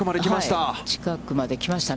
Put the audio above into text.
近くまできました。